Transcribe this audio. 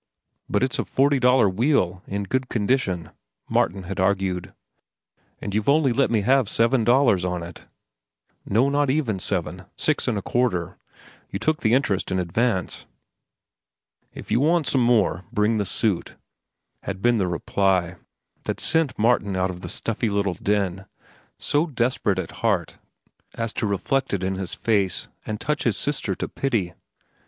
"But it's a forty dollar wheel, in good condition," Martin had argued. "And you've only let me have seven dollars on it. No, not even seven. Six and a quarter; you took the interest in advance." "If you want some more, bring the suit," had been the reply that sent Martin out of the stuffy little den, so desperate at heart as to reflect it in his face and touch his sister to pity.